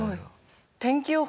天気予報